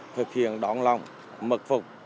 thực hiện đón lòng mật phục